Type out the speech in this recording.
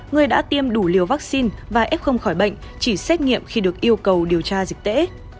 người đã tiêm đủ liều vaccine và f khỏi bệnh chỉ xét nghiệm khi được yêu cầu điều tra dịch tễ